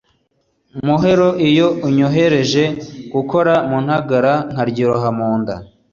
Maheru iyo unyoheje Gukora mu ntagara Nkaryiroha mu nda